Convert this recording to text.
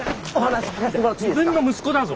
自分の息子だぞ。